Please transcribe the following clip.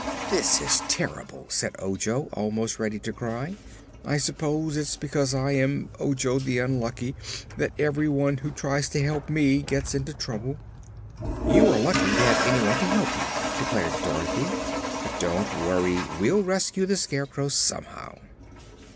"This is terrible," said Ojo, almost ready to cry. "I s'pose it's because I am Ojo the Unlucky that everyone who tries to help me gets into trouble." "You are lucky to have anyone to help you," declared Dorothy. "But don't worry. We'll rescue the Scarecrow somehow."